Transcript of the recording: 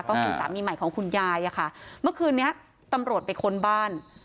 ก็คือสามีใหม่ของคุณยายอะค่ะเมื่อคืนนี้ตำรวจไปค้นบ้าน